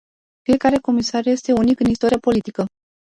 Fiecare comisar este unic în istoria politică.